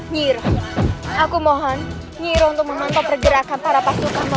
nyiroh aku mohon nyiroh untuk memantau pergerakan para pasukanmu